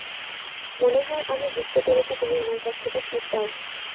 মনেহয় আমি বুঝতে পেরেছি তুমি আমার কাছ থেকে কি চাও।